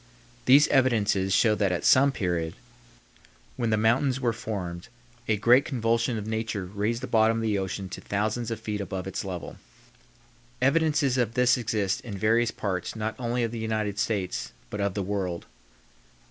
These evidences show that at some period, when the mountains were formed, a great convulsion of nature raised the bottom of the ocean to thousands of feet above its level. Evidences of this exist in various parts not only of the United States, but of the world.